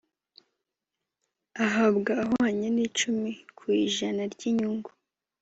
ahabwa ahwanye n’icumi ku ijana ry’inyungu